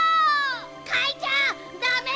かいちゃダメ！